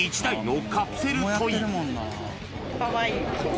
かわいい。